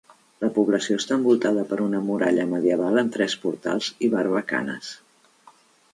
La població està envoltada per una muralla medieval amb tres portals i barbacanes.